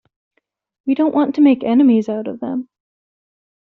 We don't want to make enemies out of them.